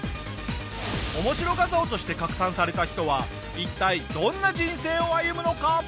面白画像として拡散された人は一体どんな人生を歩むのか？